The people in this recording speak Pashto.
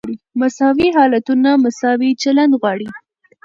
مساوي حالتونه مساوي چلند غواړي.